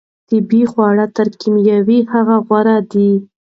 طبیعي خواړه تر کیمیاوي هغو غوره دي.